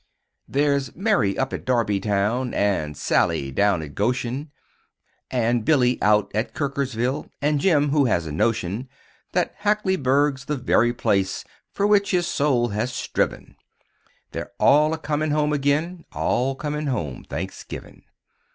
There's Mary up at Darby Town, An' Sally down at Goshen, An' Billy out at Kirkersville, An' Jim who has a notion That Hackleyburg's the very place Fer which his soul has striven; They're all a comin' home ag'in All comin' home Thanksgivin'.